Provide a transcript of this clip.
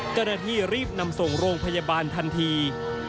กรณะที่รีบนำส่งโรงพยาบาลทันที